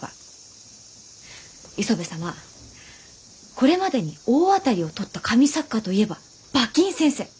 これまでに大当たりをとった神作家といえば馬琴先生！